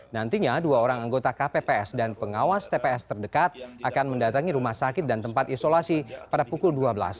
nantinya dua orang anggota kpps dan pengawas tps terdekat akan mendatangi rumah sakit dan tempat isolasi pada pukul dua belas